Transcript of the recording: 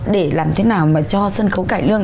để làm thế nào mà cho sân khấu cải lương